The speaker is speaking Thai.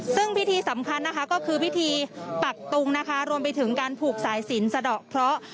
ซึ่งพิธีสำคัญนะคะก็คือพิธีปักตุงนะคะรวมไปถึงการผูกสายสินสะดอกเคราะห์